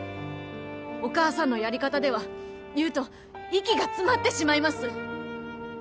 お母さんのやり方では優斗息が詰まってしまいます。